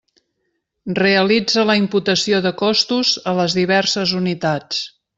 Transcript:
Realitza la imputació de costos a les diverses unitats.